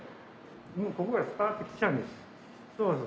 ここからスパっと切っちゃうんです。